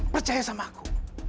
percaya sama aku